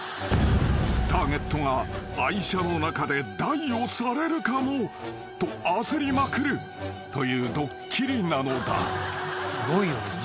［ターゲットが愛車の中で大をされるかもと焦りまくるというドッキリなのだ］